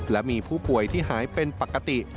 และมีผู้ป่วยที่หายเป็นปกติ